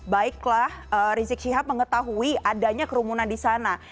baiklah rizik syihab mengetahui adanya kerumunan di sana